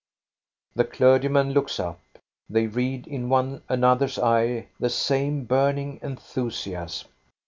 The clergyman looks up. They read in one an other's eyes the same burning enthusiasm.